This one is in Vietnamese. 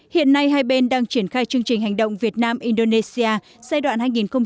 hiện nay hai bên đang triển khai chương trình hành động việt nam indonesia giai đoạn hai nghìn một mươi bốn hai nghìn một mươi tám